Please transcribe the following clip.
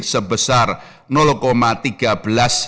sebesar dua puluh empat miliar dolar as